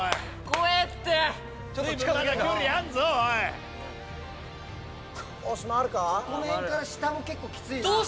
この辺から下も結構きついなぁ。